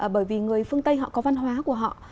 bởi vì người phương tây họ có văn hóa của họ